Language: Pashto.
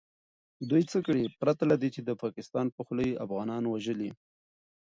دوئ څه کړي پرته له دې چې د پاکستان په خوله يې افغانان وژلي .